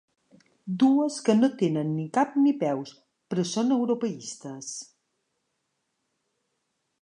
Dues que no tenen ni cap ni peus, però són europeistes.